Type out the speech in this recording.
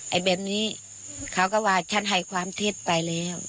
ไอเบมนี้เขาก็ว่าฉันให้ความเท็จไปแล้ว